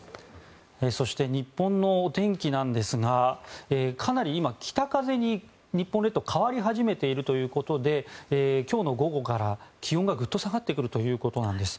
そして、日本の天気なんですがかなり今、北風に日本列島変わり始めているということで今日の午後から気温がグッと下がってくるということなんです。